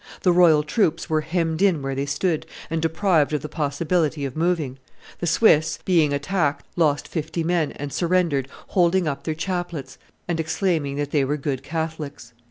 The royal troops were hemmed in where they stood, and deprived of the possibility of moving; the Swiss, being attacked, lost fifty men, and surrendered, holding up their chaplets and exclaiming that they were good Catholics.